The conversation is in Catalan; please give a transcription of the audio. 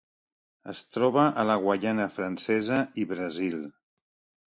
Es troba a la Guaiana Francesa i Brasil.